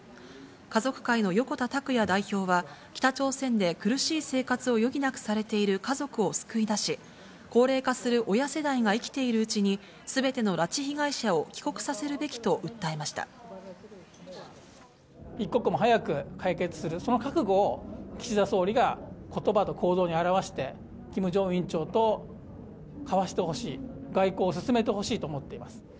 家族会の横田拓也代表は、北朝鮮で苦しい生活を余儀なくされている家族を救い出し、高齢化する親世代が生きているうちに、すべての拉致被害者を帰国させる一刻も早く解決する、その覚悟を岸田総理がことばと行動に表して、キム・ジョンウン委員長と交わしてほしい、外交を進めてほしいと思っています。